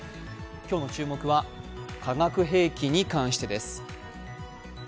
今日の注目は化学兵器に関してです。